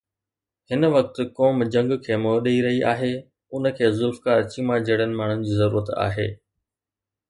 هن وقت قوم جنگ کي منهن ڏئي رهي آهي، ان کي ذوالفقار چيما جهڙن ماڻهن جي ضرورت آهي.